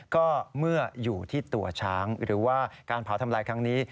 ก็เมื่ออยู่ที่ตัวช้างหรือว่าการเผาทำลายครั้งนี้